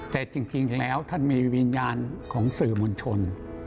แต่จริงแล้วท่านมีวิญญาณของสื่อมวลชน